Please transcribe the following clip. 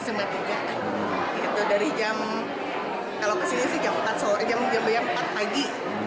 sma negeri tiga dari jam kalau kesini sih jam empat pagi